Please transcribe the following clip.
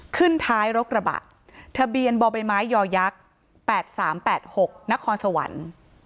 ขึ้นท้ายรกระบะทะเบียนบ่อใบไม้ยอยักษ์๘๓๘๖นครสวรรค์